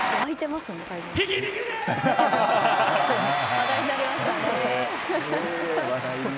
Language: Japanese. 話題になりましたね。